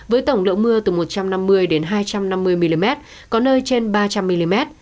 với tổng lượng mưa từ một trăm năm mươi đến hai trăm năm mươi mm có nơi trên ba trăm linh mm